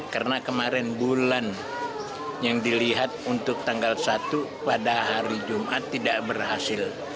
karena kemarin bulan yang dilihat untuk tanggal satu pada hari jumat tidak berhasil